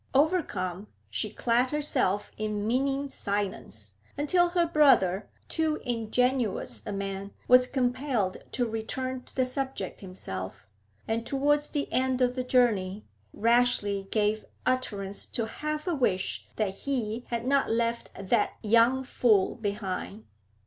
Overcome, she clad herself in meaning silence, until her brother, too ingenuous man, was compelled to return to the subject himself, and, towards the end of the journey, rashly gave utterance to half a wish that he had not left 'that young fool' behind.